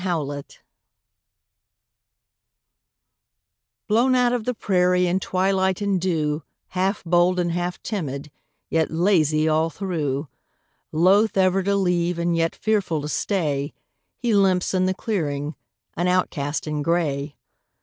COYOTE Blown out of the prairie in twilight and dew, Half bold and half timid, yet lazy all through; Loath ever to leave, and yet fearful to stay, He limps in the clearing, an outcast in gray.